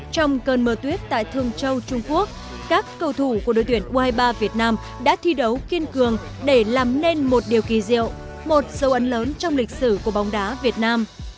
trong cơn mưa tuyết tại thương châu trung quốc các cầu thủ của đội tuyển u hai mươi ba việt nam đã thi đấu kiên cường để làm nên một điều kỳ diệu một dấu ấn lớn trong lịch sử của bóng đá việt nam